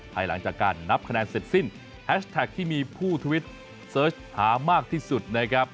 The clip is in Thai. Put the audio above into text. ภายหลังจากการนับคะแนนเสร็จสิ้นแฮชแท็กที่มีผู้ทวิตเสิร์ชหามากที่สุดนะครับ